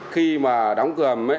khi mà đóng cửa hầm